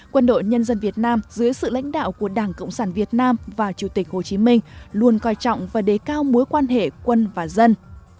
quân đội nhân dân việt nam dưới sự lãnh đạo của đảng cộng sản việt nam và chủ tịch hồ chí minh luôn coi trọng và đế cao mối quan hệ quân và dân